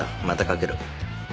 またかける。